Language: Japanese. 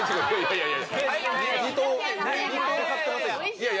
いやいや。